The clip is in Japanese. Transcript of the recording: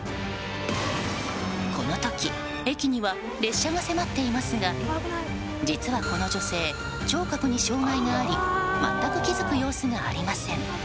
この時、駅には列車が迫っていますが実は、この女性聴覚に障害があり全く気付く様子がありません。